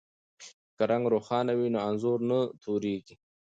که رنګ روښانه وي نو انځور نه توریږي.